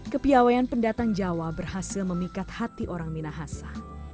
kepiawaian pendatang jawa berhasil memikat hati orang minahasa